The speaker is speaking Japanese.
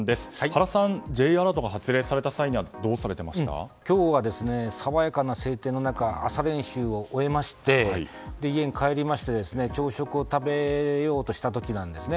原さんＪアラートが発令された際は今日は爽やかな晴天の中朝練習を終えまして家に帰りまして朝食を食べようとした時なんです。